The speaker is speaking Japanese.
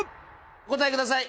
お答えください